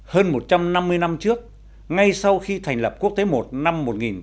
hơn một trăm năm mươi năm trước ngay sau khi thành lập quốc tế một năm một nghìn tám trăm sáu mươi bốn